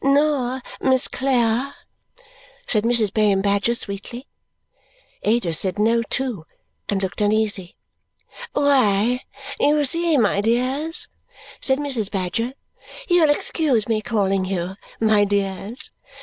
"Nor Miss Clare?" said Mrs. Bayham Badger sweetly. Ada said no, too, and looked uneasy. "Why, you see, my dears," said Mrs. Badger, " you'll excuse me calling you my dears?"